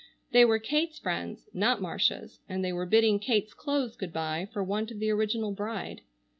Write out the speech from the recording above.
They were Kate's friends, not Marcia's, and they were bidding Kate's clothes good bye for want of the original bride.